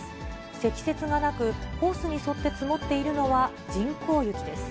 積雪がなく、コースに沿って積もっているのは人工雪です。